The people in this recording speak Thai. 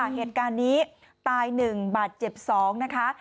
เหตุการณ์นี้ตาย๑บาทเจ็บ๒นะคะ